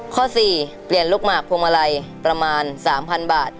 ข้อ๔เปลี่ยนลูกหมากพวงมาลัยประมาณ๓๐๐๐บาท